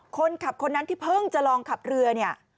คนขับคนนั้นที่เพิ่งจะลองขับเรือเนี่ย